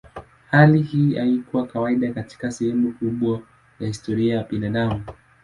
Hali hii haikuwa kawaida katika sehemu kubwa ya historia ya binadamu.